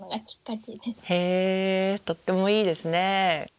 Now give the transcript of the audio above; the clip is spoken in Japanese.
へえとってもいいですね。